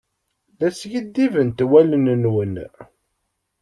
La skiddibent wallen-nwen.